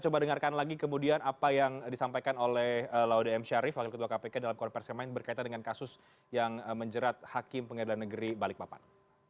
kita coba dengarkan lagi kemudian apa yang disampaikan oleh laudem syarif wakil ketua kpk dalam konferensi kemanin berkaitan dengan kasus yang menjerat hakim pengadilan negeri balikpapan